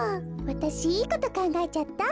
わたしいいことかんがえちゃった。